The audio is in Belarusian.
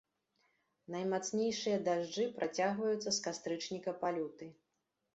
Наймацнейшыя дажджы працягваюцца з кастрычніка па люты.